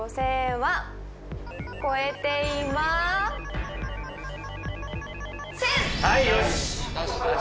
はいよし！